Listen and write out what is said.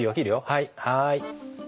はいはい。